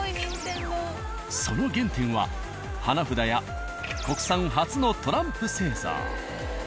その原点は花札や国産初のトランプ製造。